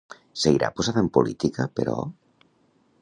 Seguirà posada en política, però?